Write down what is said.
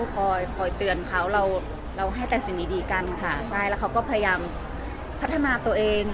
คอยเตือนเขาเราให้แต่สิ่งดีดีกันค่ะใช่แล้วเขาก็พยายามพัฒนาตัวเอง